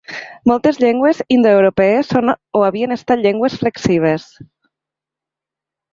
Moltes llengües indoeuropees són o havien estat llengües flexives.